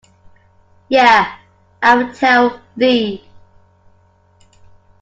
Yea, I will tell thee.